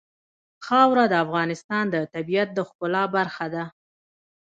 خاوره د افغانستان د طبیعت د ښکلا برخه ده.